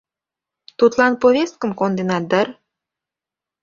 — Тудлан повесткым конденат дыр?